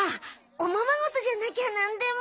おままごとじゃなきゃなんでも。